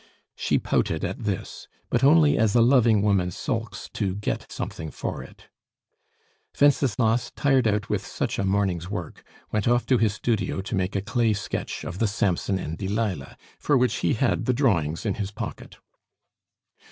She pouted at this, but only as a loving woman sulks to get something for it. Wenceslas, tired out with such a morning's work, went off to his studio to make a clay sketch of the Samson and Delilah, for which he had the drawings in his pocket.